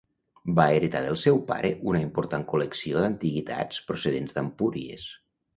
Va heretar del seu pare una important col·lecció d'antiguitats procedents d'Empúries.